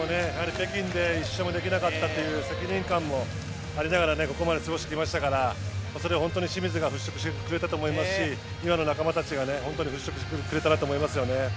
北京で１勝もできなかったという責任感もありながらここまで過ごしてきましたからそれは本当に清水が払しょくしてくれたと思いますし今の仲間たちが本当に払しょくしれくれたなと思いますよね。